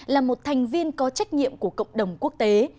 là một thành viên có trách nhiệm của cộng đồng quốc tế